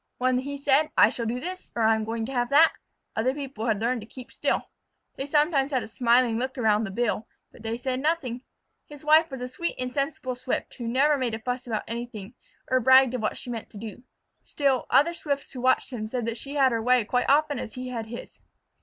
When he said, "I shall do this," or, "I am going to have that," other people had learned to keep still. They sometimes had a smiling look around the bill, but they said nothing. His wife was a sweet and sensible Swift who never made a fuss about anything, or bragged of what she meant to do. Still, other Swifts who watched them said that she had her way quite as often as he had his.